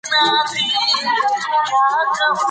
زه پرون د یوې مهمې مرکې په لیدو بوخت وم.